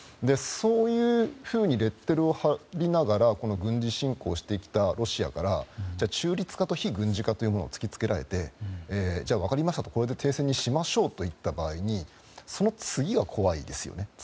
そういうふうにレッテルを貼りながらこの軍事侵攻をしてきたロシアから中立化と非軍事化を突き付けられて分かりましたと、これで停戦にしましょうといった場合にその次が怖いですよね。